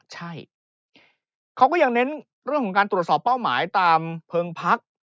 ใช่เขาก็ยังเน้นเรื่องของการตรวจสอบเป้าหมายตามเพลิงพัก